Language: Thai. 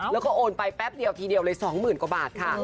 แล้วก็โอนไปแป๊บเดียวทีเดียวเลย๒๐๐๐กว่าบาทค่ะ